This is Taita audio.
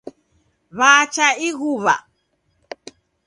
Wwacha ighuwa